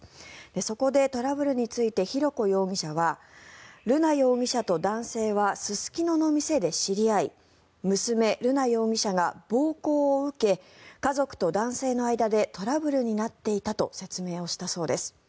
そこでトラブルについて浩子容疑者は瑠奈容疑者と男性はすすきのの店で知り合い娘・瑠奈容疑者が暴行を受け家族と男性の間でトラブルになっていたと説明をしたそうです。